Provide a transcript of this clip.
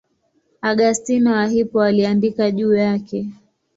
Augustino wa Hippo aliandika juu yake.